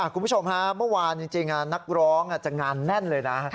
คุณผู้ชมฮะเมื่อวานจริงนักร้องจะงานแน่นเลยนะ